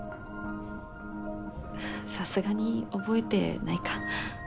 さすがに覚えてないか。